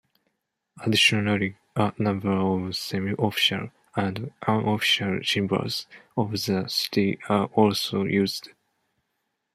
Additionally, a number of semi-official and unofficial symbols of the city are also used.